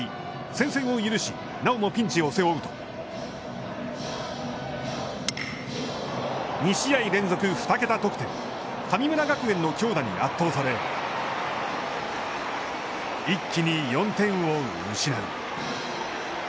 先制を許し、なおもピンチを背負うと２試合連続二桁得点、神村学園の強打に圧倒され、一気に４点を失う。